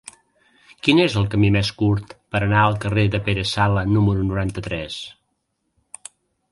Quin és el camí més curt per anar al carrer de Pere Sala número noranta-tres?